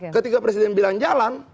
ketika presiden bilang jalan